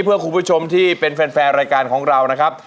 เพื่อคุณผู้ชมที่เป็นแฟนรายการของเรานะครับ